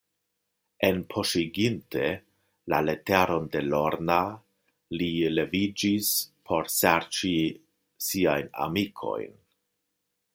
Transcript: Enpoŝiginte la leteron de Lorna, li leviĝis, por serĉi siajn amikojn.